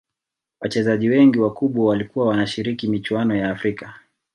Wachezaji wengi wakubwa walikuwa wanashiriki michuano ya afrika